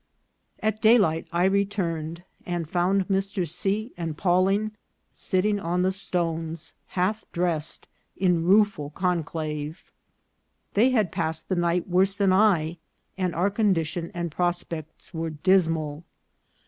AT daylight I returned, and found Mr. C. and Paw ling sitting on the stones, half dressed, in rueful con clave. They had passed the night worse than I, and our condition and prospects were dismal.